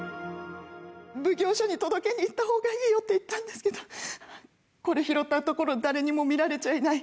奉行所に届けに行ったほうがいいよって言ったんですけどこれ、拾ったところは誰にも見られちゃいない。